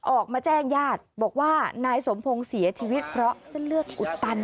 ออกมาแจ้งญาติบอกว่านายสมพงศ์เสียชีวิตเพราะเส้นเลือดอุดตัน